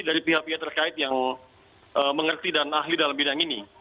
dari pihak pihak terkait yang mengerti dan ahli dalam bidang ini